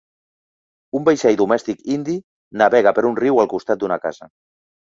Un vaixell domèstic indi navega per un riu al costat d'una casa.